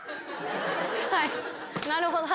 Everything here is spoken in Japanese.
はいなるほど。